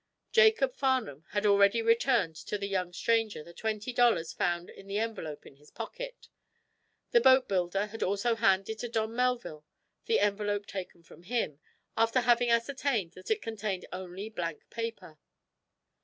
Jacob Farnum had already returned to the young stranger the twenty dollars found in the envelope in his pocket. The boatbuilder had also handed to Don Melville the envelope taken from him, after having ascertained that it contained only blank paper.